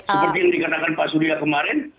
seperti yang dikatakan pak surya kemarin